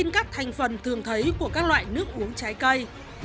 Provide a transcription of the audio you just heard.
đây là các thành phần thường thấy của các loại nước uống trái cây